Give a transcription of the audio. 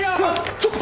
ちょっと！